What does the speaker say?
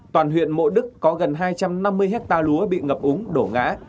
toàn huyện mộ đức có gần hai trăm năm mươi hectare lúa bị ngập úng đổ ngã